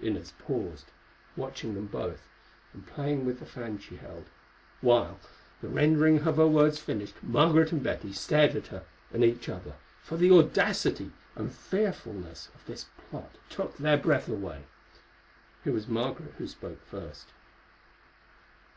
Inez paused, watching them both, and playing with the fan she held, while, the rendering of her words finished, Margaret and Betty stared at her and at each other, for the audacity and fearfulness of this plot took their breath away. It was Margaret who spoke the first.